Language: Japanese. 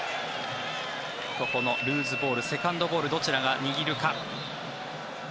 ここのルーズボールセカンドボールどちらが握るか。